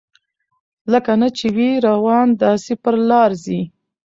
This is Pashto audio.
لکه نه چي وي روان داسي پر لار ځي